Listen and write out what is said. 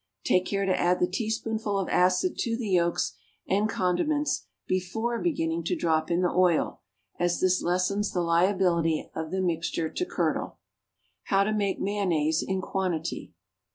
Take care to add the teaspoonful of acid to the yolks and condiments before beginning to drop in the oil, as this lessens the liability of the mixture to curdle. =How to Make Mayonnaise in Quantity.